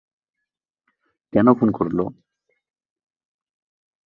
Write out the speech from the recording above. কেন খুন করল?